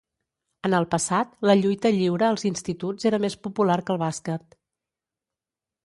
En el passat, la lluita lliure als instituts era més popular que el bàsquet.